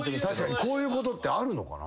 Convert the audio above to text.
こういうことってあるのかな？